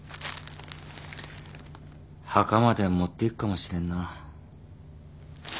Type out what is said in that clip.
墓まで持っていくかもしれんな。